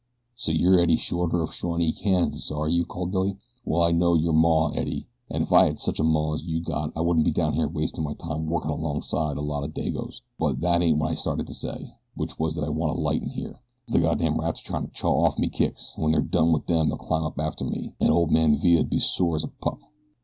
"So you're Eddie Shorter of Shawnee, Kansas, are you?" called Billy. "Well I know your maw, Eddie, an' ef I had such a maw as you got I wouldn't be down here wastin' my time workin' alongside a lot of Dagos; but that ain't what I started out to say, which was that I want a light in here. The damned rats are tryin' to chaw off me kicks an' when they're done wit them they'll climb up after me an' old man Villa'll be sore as a pup."